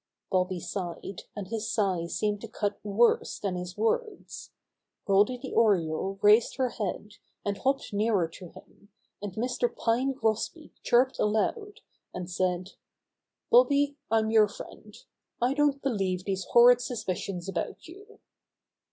Bobby sighed, and his sigh seemed to cut worse than his words. Goldy the Oriole raised her head, and hopped nearer to him, and Mr. Pine Grosbeak chirped aloud, and said: "Bobby, I'm your friend. I don't believe these horrid suspicions about you."